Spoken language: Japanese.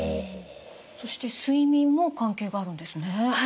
そして睡眠も関係があるんですね。